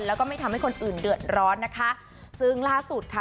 แล้วก็ไม่ทำให้คนอื่นเดือดร้อนนะคะซึ่งล่าสุดค่ะ